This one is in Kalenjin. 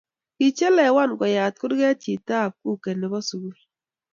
Kichelewan koyat kurke chitap kuke ne bo sukul.